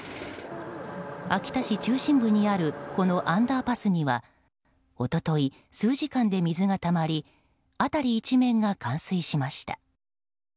秋田市中心部にあるこのアンダーパスには一昨日、数時間で水がたまり辺り一面が冠水しました。